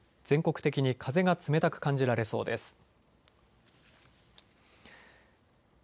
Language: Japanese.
全国的に風が冷たく感じられそうです。